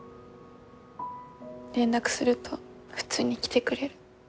連絡すると普通に来てくれる。